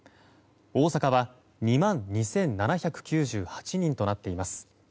大阪は２万２７９８人となっています。